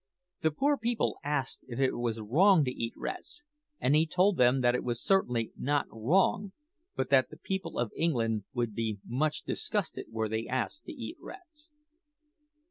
The poor people asked if it was wrong to eat rats; and he told them that it was certainly not wrong, but that the people of England would be much disgusted were they asked to eat rats."